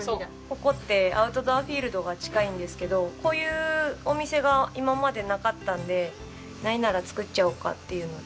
ここってアウトドアフィールドが近いんですけどこういうお店が今までなかったんでないなら作っちゃおうかっていうので。